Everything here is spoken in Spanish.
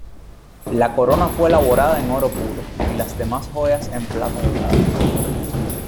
La corona fue elaborada en oro puro y las demás joyas en plata dorada.